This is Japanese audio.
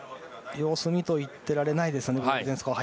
様子見と言ってられないですよね。